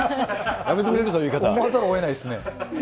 思わざるをえないですね。